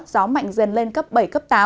gió mạnh dần lên cấp bảy cấp tám